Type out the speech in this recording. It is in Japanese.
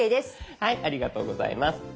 ありがとうございます。